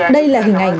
đây là hình ảnh